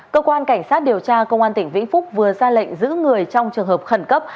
cơ quan cảnh sát điều tra công an tỉnh vĩnh phúc vừa ra lệnh giữ người trong trường hợp khẩn cấp